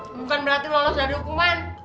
bukan berarti lolos dari hukuman